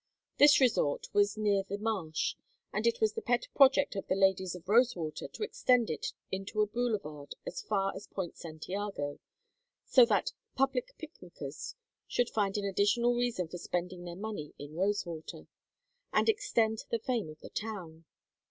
This resort was near the marsh, and it was the pet project of the ladies of Rosewater to extend it into a boulevard as far as Point Santiago, so that "public picnickers" should find an additional reason for spending their money in Rosewater, and extend the fame of the town.